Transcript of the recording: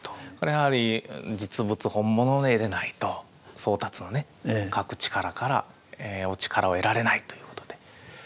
やはり実物本物の絵でないと宗達のね描く力からお力を得られないということで。